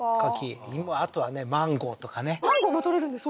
マンゴーとかねマンゴーも採れるんですか？